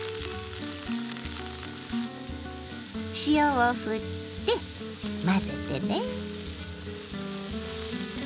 塩をふって混ぜてね。